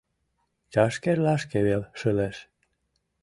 Чашкерлашке вел шылеш.